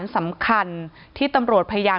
ที่มีข่าวเรื่องน้องหายตัว